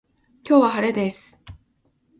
今日は晴れです。